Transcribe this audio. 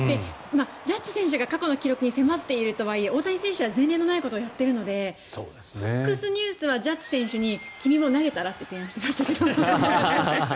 ジャッジ選手が過去の記録に迫っているとはいえ大谷選手は前例のないことをやっているのでＦＯＸニュースはジャッジ選手に君も投げたら？って提案してましたけど。